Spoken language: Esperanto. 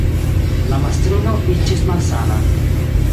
La mastrino iĝis malsana.